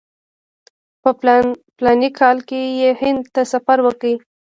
په فلاني کال کې یې هند ته سفر وکړ.